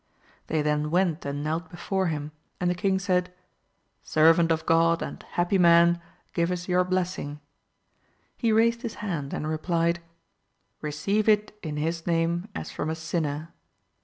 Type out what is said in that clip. They then went and knelt before him, and the king said. Servant of God and happy man, give us your blessing 1 he raised his hand and replied, Eeceive it in his name as from a sinner